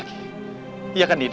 aku akan menang